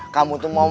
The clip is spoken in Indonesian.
kamu tuh mau